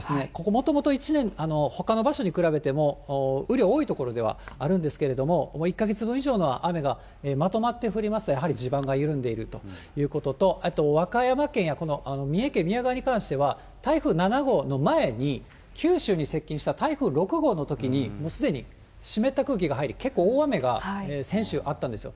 もともとここ、ほかの場所に比べても雨量、多い所ではあるんですけれども、１か月分以上の雨がまとまって降りますと、やはり地盤が緩んでいるということと、あと和歌山県やこの三重県宮川に関しては、台風７号の前に、九州に接近した台風６号のときに、もうすでに湿った空気が入り、結構大雨が先週、あったんですよ。